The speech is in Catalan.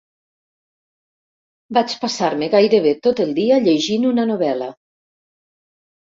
Vaig passar-me gairebé tot el dia llegint una novel·la